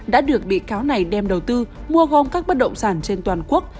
đã được bị cáo này đem đầu tư mua gom các bất động sản trên toàn quốc